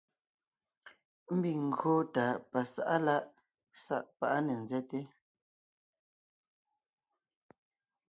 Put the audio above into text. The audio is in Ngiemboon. Ḿbiŋ ńgÿo tà pasá’a lá’ sá’ pá’ á ne ńzέte,